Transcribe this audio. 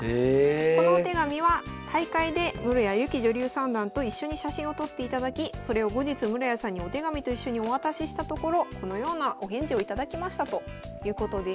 このお手紙は大会で室谷由紀女流三段と一緒に写真を撮っていただきそれを後日室谷さんにお手紙と一緒にお渡ししたところこのようなお返事を頂きましたということです。